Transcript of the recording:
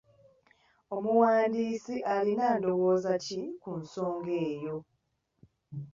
Omuwandiisi alina ndowooza ki ku nsonga eyo?